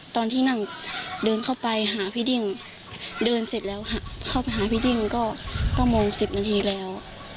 ตอนที่นั่งเดินเข้าไปหาพี่ดิ้งเดินเสร็จแล้วเข้าไปหาพี่ดิ้งก็๙โมง๑๐นาทีแล้ว